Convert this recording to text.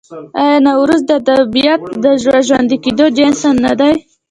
آیا نوروز د طبیعت د راژوندي کیدو جشن نه دی؟